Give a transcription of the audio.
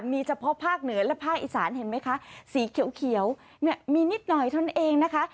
มีเฉพาะภาคเหนือและภาคอีสานเห็นไหมคะสีเขียวเนี่ยมีนิดหน่อยเท่านั้นเองนะคะ